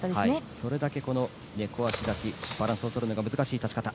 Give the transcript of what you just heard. それだけ、猫足立ちバランスをとるのが難しい立ち方。